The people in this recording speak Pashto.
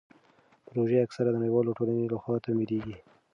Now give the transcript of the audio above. پروژې اکثر د نړیوالې ټولنې لخوا تمویلیږي.